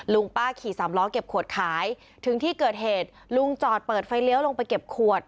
ลุงป้าขี่สามล้อเก็บขวดขายถึงที่เกิดเหตุลุงจอดเปิดไฟเลี้ยวลงไปเก็บขวด